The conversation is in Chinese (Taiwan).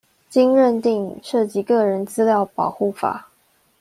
經認定涉及個人資料保護法